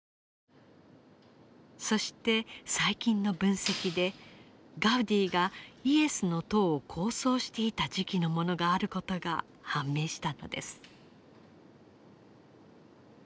そして最近の分析でガウディがイエスの塔を構想していた時期のものがあることが判明したのです。